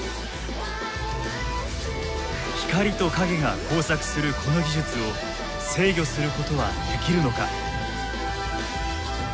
光と影が交錯するこの技術を制御することはできるのか。